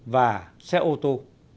và xe ô tô